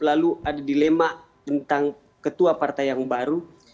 lalu ada dilema tentang ketua partai yang baru